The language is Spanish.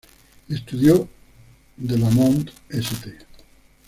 Estudió de la Mount St.